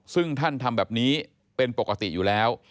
ซึ่งท่านทำแบบนี้เป็นปกติอยู่แล้ว